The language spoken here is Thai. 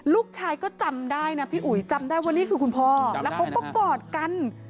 ลูกชายก็จำได้นะพี่อุ๋ยจำได้ว่านี่คือคุณพ่อแล้วเขาก็กอดกัน